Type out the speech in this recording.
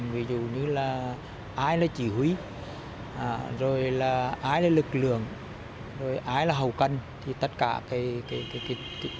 ví dụ như là ai là chỉ huy rồi là ai là lực lượng rồi là ai là hầu cân thì tất cả cái chuẩn bị đầu nắm là có